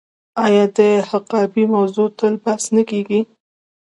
آیا د حقابې موضوع تل بحث نه کیږي؟